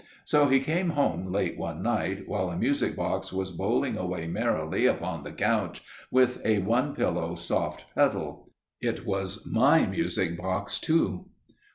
So he came home late one night, while a music box was bowling away merrily upon the couch with a one pillow soft pedal. It was my music box, too!